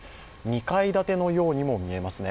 ２階建てのようにも見えますね。